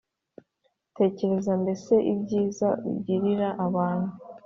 tekereza mbese ibyiza ugirira abantu: